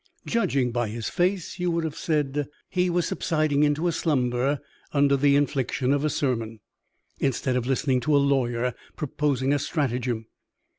Judging by his face, you would have said he was subsiding into a slumber under the infliction of a sermon, instead of listening to a lawyer proposing a stratagem.